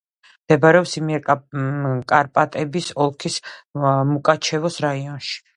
მდებარეობს იმიერკარპატების ოლქის მუკაჩევოს რაიონში.